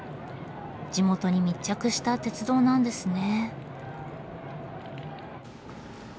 地元に密着した鉄道なんですね。